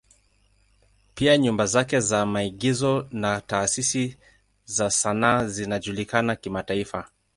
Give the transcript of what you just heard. Pia nyumba zake za maigizo na taasisi za sanaa zinajulikana kimataifa.